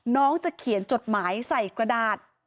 น้องจะเขียนจดหมายใส่กระดาษ